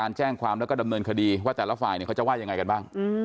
แล้วเขาก็ถีดมาที่ของหนู